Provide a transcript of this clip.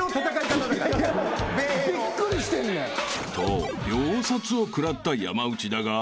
［と秒殺を食らった山内だが］